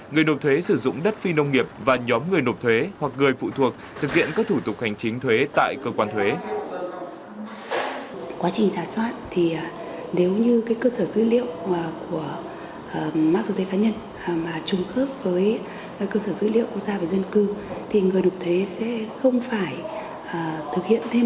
người nộp thuế sử dụng đất phi nông nghiệp và nhóm người nộp thuế hoặc người phụ thuộc thực hiện các thủ tục hành chính thuế tại cơ quan thuế